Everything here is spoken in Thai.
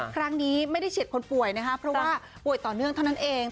ครั้งนี้ไม่ได้เฉียดคนป่วยนะคะเพราะว่าป่วยต่อเนื่องเท่านั้นเอง